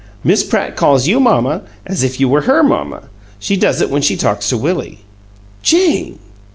Miss Pratt calls you 'mamma' as if you were HER mamma. She does it when she talks to Willie." "Jane!"